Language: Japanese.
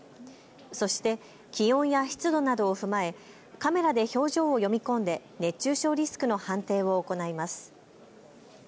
そして気温や湿度などを踏まえカメラで表情を読み込んで熱中症リスクの判定を行います。